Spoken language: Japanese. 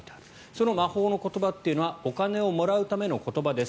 その魔法の言葉というのはお金をもらうための言葉です。